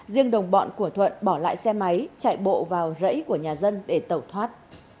riêng đồng bọn của thuận bỏ lại xe máy chạy bộ vào rẫy của nhà dân để tẩu thoát